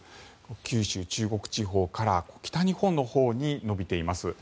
九州、中国地方から北日本のほうに延びています。